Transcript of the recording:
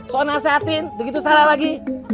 soal nasehatin begitu salah lagi